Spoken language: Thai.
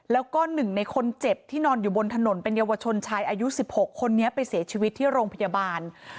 แล้วก็หนึ่งในคนเจ็บที่นอนอยู่บนถนนเป็นเยาวชนชายอายุ๑๖คนนี้ไปเสียชีวิตที่โรงพยาบาล